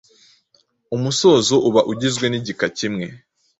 Umusozo aba ugizwe n’igika kimwe.